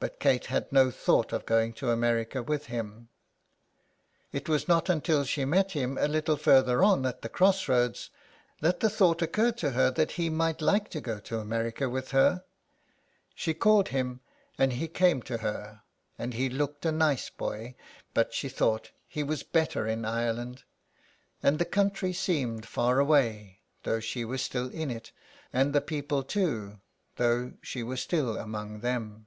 But Kate had no thought of going to America with him. It was not until 82 SOME PARISHIONERS. she met him a little further on, at the cross roads, that the thought occurred to her that he might like to go to America with her. She called him, and he came to her, and he looked a nice boy, but she thought he was better in Ireland. And the country seemed far away, though she was still in it, and the people too, though she was still among them.